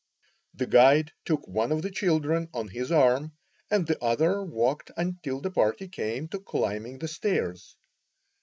The guide took one of the children on his arm, and the other walked until the party came to climbing the stairs.